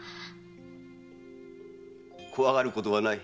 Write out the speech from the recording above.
こわがることはない。